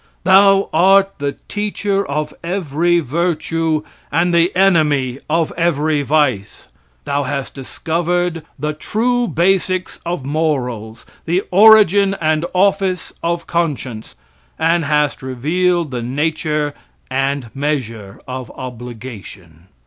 Thou art the teacher of every virtue, and the enemy of every vice. Thou has discovered the true basis of morals the origin and office of conscience and hast revealed the nature and measure of obligation.